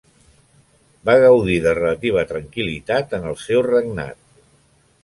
Va gaudir de relativa tranquil·litat en el seu regnat.